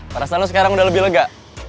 perasaan lo sekarang udah lebih lega